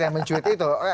yang mencuit itu